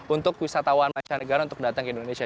untuk wisatawan mancanegara untuk datang ke indonesia